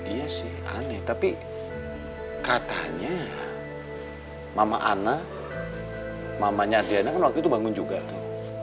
iya sih aneh tapi katanya mama ana mamanya diana kan waktu itu bangun juga tuh